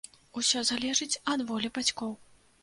Усё залежыць ад волі бацькоў.